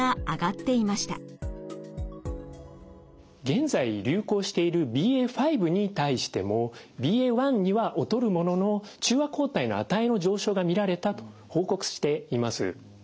現在流行しているＢＡ．５に対してもＢＡ．１には劣るものの中和抗体の値の上昇が見られたと報告しています。